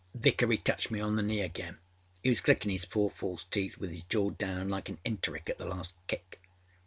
âVickery touched me on the knee again. He was clickinâ his four false teeth with his jaw down like an enteric at the last kick.